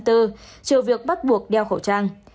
trừ việc bắt buộc đeo khẩu trang